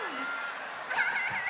アハハハハ！